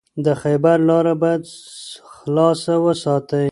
د خیبر لاره باید خلاصه وساتئ.